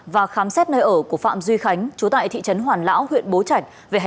và khám xét nơi ở của phạm duy khánh chú tại thị trấn hoàn lão huyện bố trạch